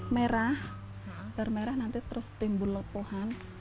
merah bermerah nanti terus timbul lopohan